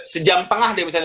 sejam setengah deh misalnya